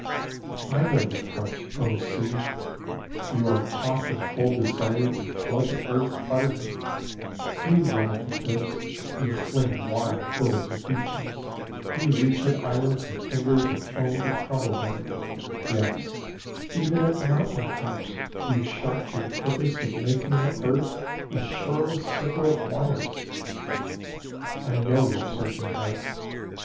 I know your heart, O Sea! You are tossed with cold desire to flood earth utterly; You run at the cliffs, you fling wild billows at beaches, You reach at islands with fingers of foam to crumble them; Yes, even at mountain tops you shout your purpose Of making the earth a shoreless circle of waters! I know your surging heart!